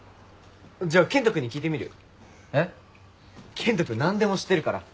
健人君何でも知ってるから。